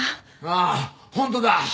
ああ本当だ。